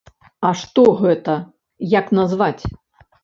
А што гэта, як назваць?